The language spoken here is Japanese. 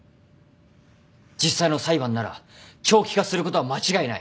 実際の裁判なら長期化することは間違いない。